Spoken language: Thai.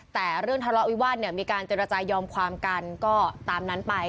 แต่เรื่องทะเลาะวิวาสเนี่ยมีการเจรจายอมความกันก็ตามนั้นไป